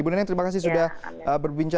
ibu nenek terima kasih sudah berbicara